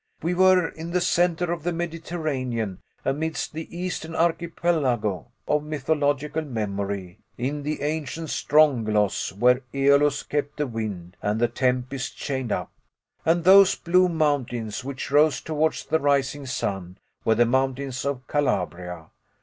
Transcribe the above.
We were in the centre of the Mediterranean, amidst the eastern archipelago of mythological memory, in the ancient Strongylos, where AEolus kept the wind and the tempest chained up. And those blue mountains, which rose towards the rising sun, were the mountains of Calabria.